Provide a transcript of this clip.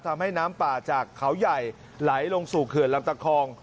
ทำให้น้ำป่าจากเขาใหญ่ไหลลงสู่เขื่อนลำตะคอง